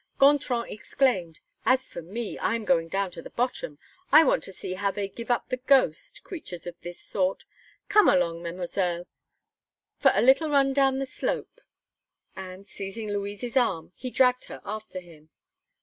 Gontran exclaimed: "As for me, I am going down to the bottom. I want to see how they give up the ghost creatures of this sort. Come along, Mesdemoiselles, for a little run down the slope." And seizing Louise's arm, he dragged her after him.